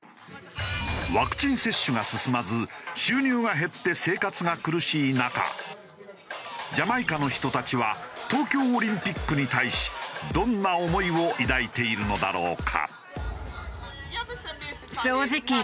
ワクチン接種が進まず収入が減って生活が苦しい中ジャマイカの人たちは東京オリンピックに対しどんな思いを抱いているのだろうか？